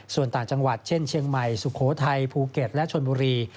ส่วนต่างจังหวัดเช่นเชียงใหม่สุโขทัยภูเก็ตและชนบุรี